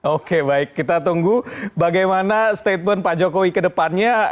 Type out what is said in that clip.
oke baik kita tunggu bagaimana statement pak jokowi ke depannya